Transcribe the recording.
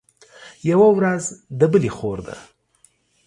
يوه ورځ د بلي خور ده.